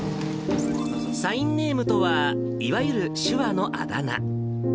サインネームとはいわゆる手話のあだ名。